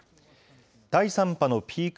第３波のピーク